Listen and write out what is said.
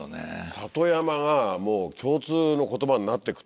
「里山」が共通の言葉になってくと。